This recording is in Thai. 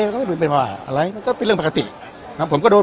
ก็ไม่รู้เป็นว่าอะไรมันก็เป็นเรื่องปกตินะครับผมก็โดน